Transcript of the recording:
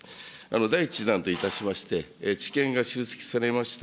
第１弾といたしまして、知見が集積されました